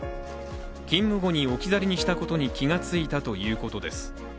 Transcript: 勤務後に置き去りにしたことに気がついたということです。